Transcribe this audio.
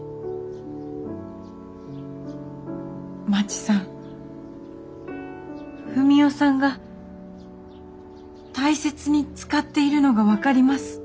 まちさんふみおさんが大切に使っているのが分かります。